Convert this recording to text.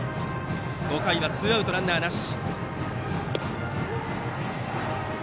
５回はツーアウトランナーなし。